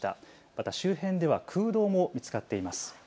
また周辺では空洞も見つかっています。